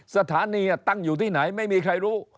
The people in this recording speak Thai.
สถานีตั้งอยู่ที่ไหนไม่มีใครรู้